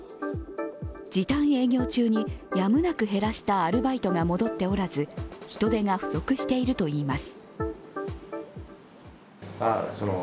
時短営業中にやむなく減らしたアルバイトが戻っておらず、人手が不足しているといいます。